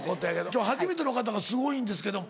今日初めての方がすごいんですけど。